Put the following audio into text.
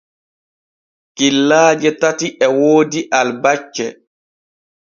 Killaaje tati e woodi albacce.